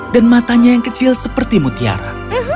dan matanya yang kecil seperti mutiara